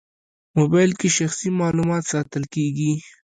موبایل کې شخصي معلومات ساتل کېږي.